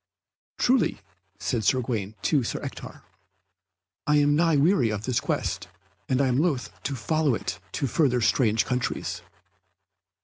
"Truly," said Sir Gawaine to Sir Ector, "I am nigh weary of this quest, and loth to follow it to further strange countries."